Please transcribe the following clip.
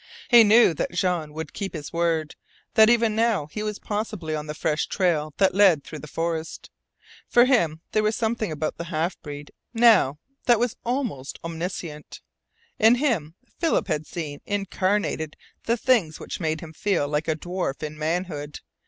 He knew that Jean would keep his word that even now he was possibly on the fresh trail that led through the forest. For him there was something about the half breed now that was almost omniscient. In him Philip had seen incarnated the things which made him feel like a dwarf in manhood.